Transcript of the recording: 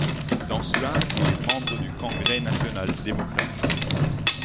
Dansua est membre du Congrès National Démocratique.